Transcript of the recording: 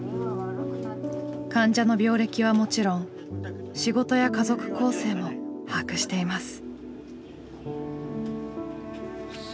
患者の病歴はもちろん仕事や家族構成も把握しています。